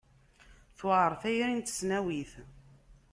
Tewɛer tayri n tesnawit.